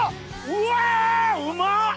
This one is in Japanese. うわうまっ！